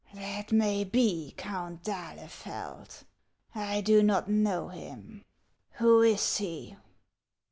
"That may be, Count d'Ahlefeld; I do not know him. Who is he